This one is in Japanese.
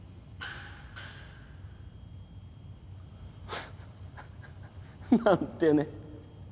フフフなんてね。